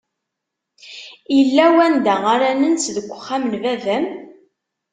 Illa wanda ara nens deg wexxam n baba-m?